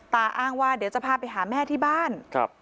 อ้างว่าเดี๋ยวจะพาไปหาแม่ที่บ้าน